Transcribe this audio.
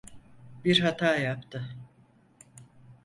Bir hata yaptı.